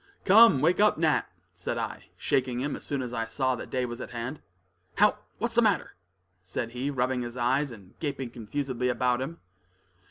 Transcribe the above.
"Come, wake up, Nat!" said I, shaking him as soon as I saw that day was at hand. "How? what's the matter?" said he, rubbing his eyes, and gaping confusedly about him.